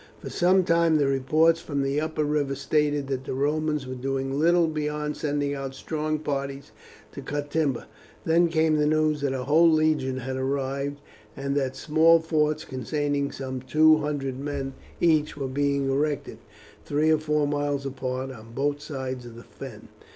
For some time the reports from the upper river stated that the Romans were doing little beyond sending out strong parties to cut timber. Then came the news that a whole legion had arrived, and that small forts containing some two hundred men each were being erected, three or four miles apart, on both sides of the Fen.